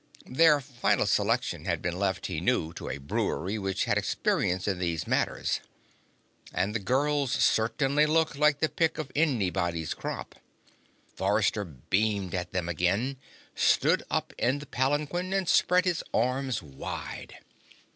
Their final selection had been left, he knew, to a brewery which had experience in these matters. And the girls certainly looked like the pick of anybody's crop. Forrester beamed at them again, stood up in the palanquin and spread his arms wide.